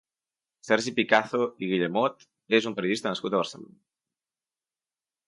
Sergi Picazo i Guillamot és un periodista nascut a Barcelona.